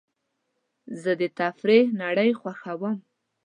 زه د تفریح نړۍ خوښوم.